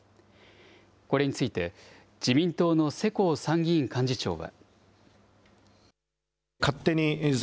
これについて、自民党の世耕参議院幹事長は。